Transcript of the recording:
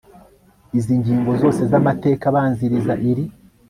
izindi ngingo zose z amateka abanziriza iri